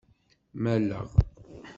Malleɣ.